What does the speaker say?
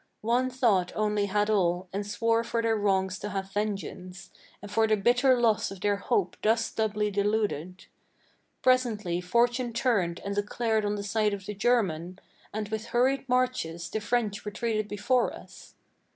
One thought only had all, and swore for their wrongs to have vengeance, And for the bitter loss of their hope thus doubly deluded. Presently Fortune turned and declared on the side of the German, And with hurried marches the French retreated before us.